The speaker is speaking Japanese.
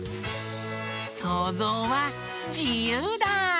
そうぞうはじゆうだ！